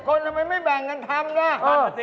๑๐คนทำไมไม่แบ่งการทำหน้า